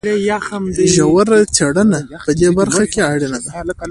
ژوره څېړنه په دې برخه کې اړینه ده.